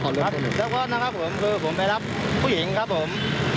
ครับเรื่องก่อนนะครับผมคือผมไปรับผู้หญิงครับผม